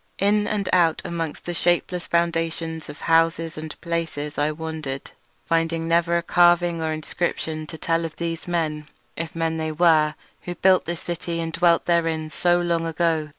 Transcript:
In and out amongst the shapeless foundations of houses and palaces I wandered, finding never a carving or inscription to tell of those men, if men they were, who built the city and dwelt therein so long ago.